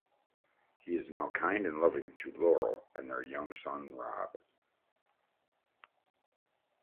He is now kind and loving to Laurel and their young son, Rob.